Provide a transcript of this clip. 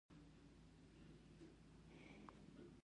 د دې هېواد اتیا سلنه وګړو د کار حق نه درلود.